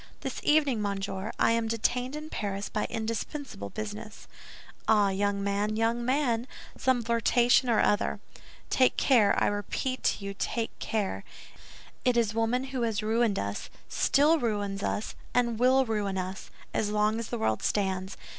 "This evening, monsieur, I am detained in Paris by indispensable business." "Ah, young man, young man, some flirtation or other. Take care, I repeat to you, take care. It is woman who has ruined us, still ruins us, and will ruin us, as long as the world stands.